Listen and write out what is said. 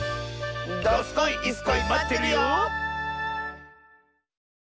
どすこいいすこいまってるよ！